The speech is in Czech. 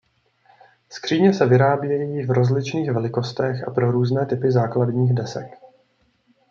Skříně se vyrábějí v rozličných velikostech a pro různé typy základních desek.